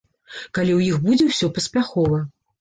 Калі ў іх будзе ўсё паспяхова.